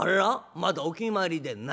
まだお決まりでない。